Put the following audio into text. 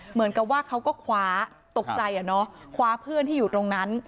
เหมือนกับว่าเขาก็คว้าตกใจคว้าเพื่อนที่อยู่ตรงนั้น